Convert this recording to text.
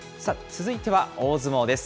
続いては大相撲です。